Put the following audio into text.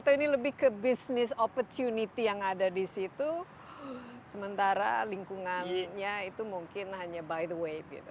atau ini lebih ke bisnis opportunity yang ada di situ sementara lingkungannya itu mungkin hanya by the wave gitu